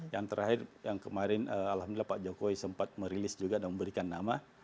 yang terakhir yang kemarin alhamdulillah pak jokowi sempat merilis juga dan memberikan nama